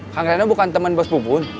kang reno bukan temen bos bubun